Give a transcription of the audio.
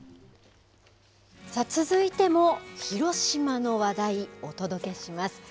さあ、続いても広島の話題をお届けします。